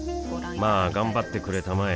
まあ頑張ってくれたまえ